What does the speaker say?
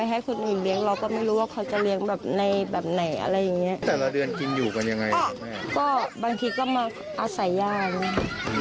แล้วคือน้องเค้าต้องอยู่กันเองเลี้ยงกันเองอยู่ด้วยใช่ไหม